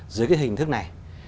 dưới cái hình thức này